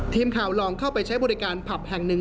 ทีมข่าวลองเข้าไปใช้บริการผับแห่งหนึ่ง